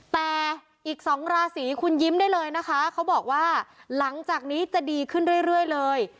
แต่อีก๒ราศีคุณยิ้มได้เลยนะคะเขาบอกว่าหลังจากนี้จะดีขึ้นเรื่อยเลย